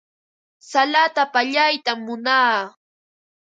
Salata pallaytam munaa.